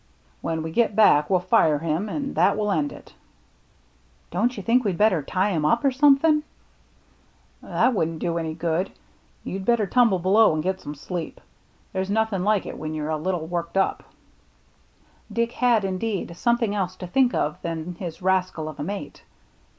When we get back we'll fire him, and that will end it." " Don't you think we'd better tie him up, or somethin' ?"" That wouldn't do any good. You'd better tumble below and get some sleep. There's nothing like it when you're a little worked Dick had indeed something else to think of than his rascal of a mate.